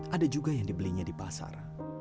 ada juga yang dibelinya di pasar